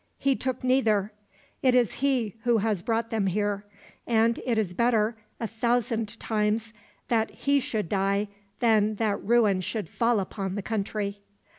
He took neither. It is he who has brought them here; and it is better, a thousand times, that he should die than that ruin should fall upon the country.